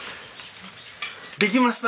できました！